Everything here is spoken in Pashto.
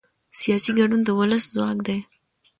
سیاسي ګډون د ولس ځواک دی